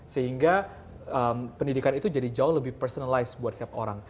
sehingga pendidikan itu jadi jauh lebih personalized buat setiap orang